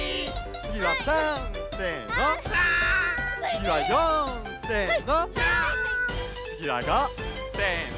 つぎは５せの！